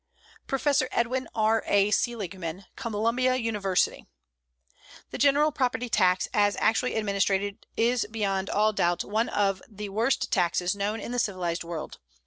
PROFESSOR EDWIN R. A. SELIGMAN, Columbia University: The general property tax as actually administered is beyond all doubt one of the worst taxes known in the civilized world.